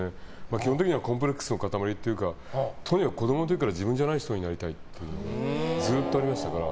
基本的にはコンプレックスの塊というかとにかく子供のころから自分じゃない人になりたいってずっとありましたから。